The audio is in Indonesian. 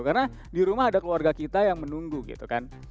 karena di rumah ada keluarga kita yang menunggu gitu kan